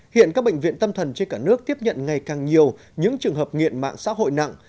hiện các bệnh viện tâm thần trên cả nước tiếp nhận ngày càng nhiều những trường hợp nghiện mạng xã hội nặng